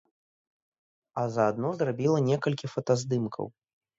А заадно зрабіла некалькі фотаздымкаў.